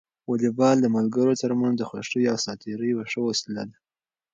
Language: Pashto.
واليبال د ملګرو ترمنځ د خوښۍ او ساعت تېري یوه ښه وسیله ده.